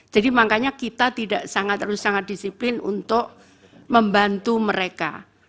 jadi makanya kita tidak sangat harus sangat disiplin untuk membantu mereka